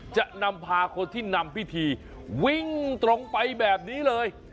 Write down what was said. จะนำพาคนที่นำพิธีวิ่งตรงไปแบบนี้เลย